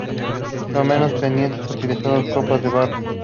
Los menos pudientes utilizaban copas de barro.